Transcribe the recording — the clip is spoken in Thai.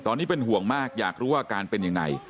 ตอนนี้เป็นห่วงมากอยากรู้ว่าอาการเป็นยังไง